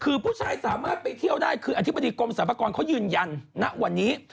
คือผู้ชายสามารถไปเที่ยวได้คืออธิบดีกรมสรรพากรเขายืนยันณวันนี้